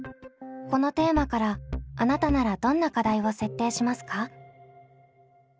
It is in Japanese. このテーマからあなたならどんな課題を設定しますか？